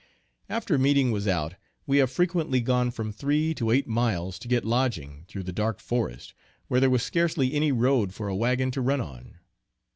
After meeting was out, we have frequently gone from three to eight miles to get lodging, through the dark forest, where there was scarcely any road for a wagon to run on.